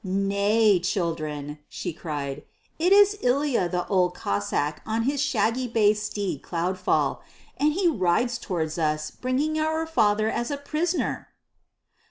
"Nay, children," she cried, "it is Ilya the Old Cossáck on his shaggy bay steed Cloudfall, and he rides towards us, bringing our Father as a prisoner."